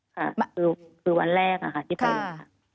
ค่ะคือวันแรกค่ะที่ไป